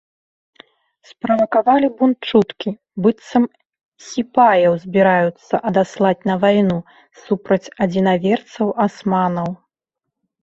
Справакавалі бунт чуткі, быццам сіпаяў збіраюцца адаслаць на вайну супраць адзінаверцаў-асманаў.